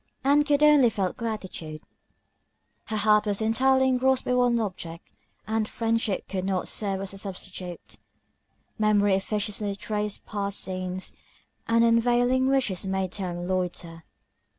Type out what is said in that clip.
Ann only felt gratitude; her heart was entirely engrossed by one object, and friendship could not serve as a substitute; memory officiously retraced past scenes, and unavailing wishes made time loiter.